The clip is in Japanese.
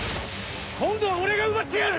今度は俺が奪ってやる！